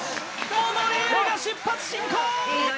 モノレールが出発進行！